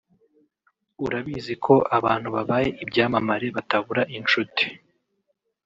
urabizi ko abantu babaye ibyamamare batabura inshuti